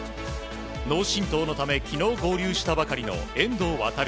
脳しんとうのため昨日合流したばかりの遠藤航。